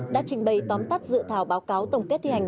đã trình bày tóm tắt dự thảo báo cáo tổng kết thi hành